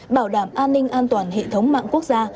bảo đảm an ninh an toàn hệ thống mạng quốc gia